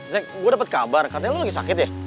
zek gue dapet kabar katanya lo lagi sakit ya